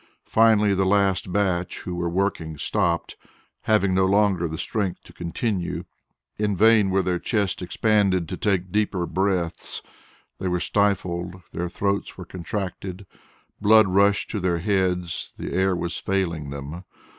Finally, the last batch who were working stopped, having no longer the strength to continue. In vain were their chests expanded to take deeper breaths they were stifled, their throats were contracted, blood rushed to their heads; the air was failing them.